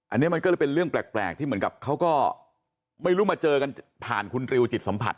อันนี้มันก็เลยเป็นเรื่องแปลกที่เหมือนกับเขาก็ไม่รู้มาเจอกันผ่านคุณริวจิตสัมผัส